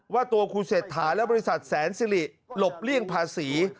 ว่าตัวคุณเศรษฐาและบริษัทแสนสิริหลบเลี่ยงภาษี